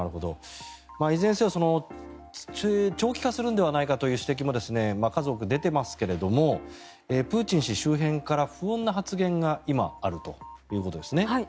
いずれにせよ長期化するのではないかという指摘も数多く出てますけれどもプーチン氏周辺から不穏な発言が今、あるということですね。